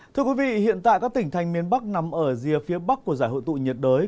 thưa quý vị hiện tại các tỉnh thành miền bắc nằm ở rìa phía bắc của giải hội tụ nhiệt đới